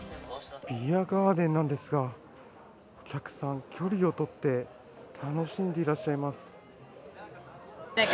ビアガーデンなんですが、お客さん、距離を取って楽しんでいらっしゃいます。